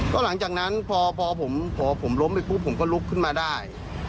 ก็หลังจากนั้นพอผมพอผมล้มไปปุ๊บผมก็ลุกขึ้นมาได้